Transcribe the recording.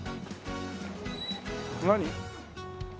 何？